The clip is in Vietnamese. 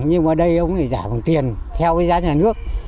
nhưng mà đây ông ấy giả bằng tiền theo với giá nhà nước